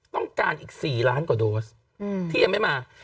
ต้องการอีก๔ล้านกว่าโดสที่ยังไม่มา